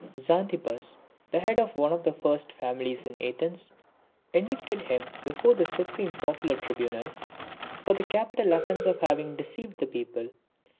Xanthippus, the head of one of the first families in Athens, indicted him before the supreme popular tribunal for the capital offence of having deceived the people.